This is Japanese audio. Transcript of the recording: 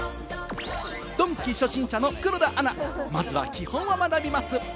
ドンキ初心者の黒田アナ、まずは基本を学びます。